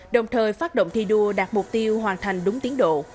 đồng thời phát động thi đua đạt mục tiêu hoàn thành đúng tiến độ